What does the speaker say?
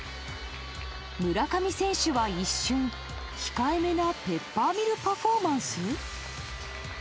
村上選手は一瞬、控えめなペッパーミルパフォーマンス。